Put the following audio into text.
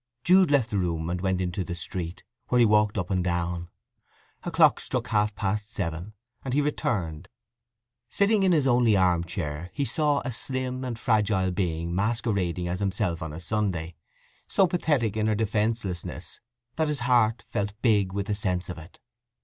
Jude left the room and went into the street, where he walked up and down. A clock struck half past seven, and he returned. Sitting in his only arm chair he saw a slim and fragile being masquerading as himself on a Sunday, so pathetic in her defencelessness that his heart felt big with the sense of it.